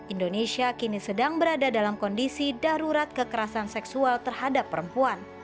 indonesia kini sedang berada dalam kondisi darurat kekerasan seksual terhadap perempuan